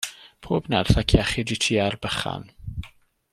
Pob nerth ac iechyd i ti a'r bychan.